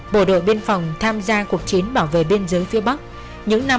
bộ đội biên phòng tham gia cuộc chiến bảo vệ biên giới phía bắc những năm một nghìn chín trăm bảy mươi chín